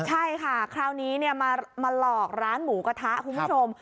ใช่ค่ะคราวนี้มาหลอกร้านหมูกระทะคุณผู้ชม